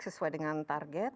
sesuai dengan target